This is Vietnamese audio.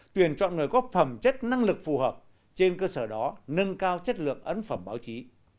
tuyển chọn người có phẩm chất năng lực phù hợp trên cơ sở đó nâng cao chất lượng ấn phẩm báo chí